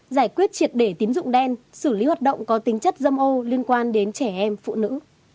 giải quyết triệt để tín dụng đen xử lý hoạt động có tính chất dâm ô liên quan đến trẻ em phụ nữ